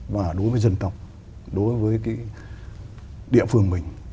và đối với dân tộc đối với cái địa phương mình